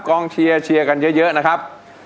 กองเชียร์เชียร์กันเยอะนะครับ